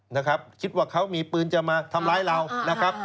นะครับคิดว่าเขามีปืนจะมาทำร้ายเรานะครับ